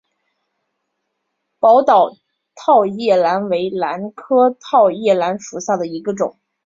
宝岛套叶兰为兰科套叶兰属下的一个种。